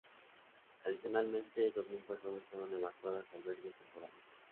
Adicionalmente, dos mil personas fueron evacuadas a albergues temporales.